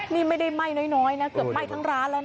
นี่ไม่ได้ไหม้น้อยนะเกือบไหม้ทั้งร้านแล้วนะ